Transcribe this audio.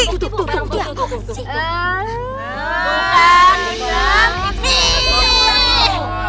tuh tuh tuh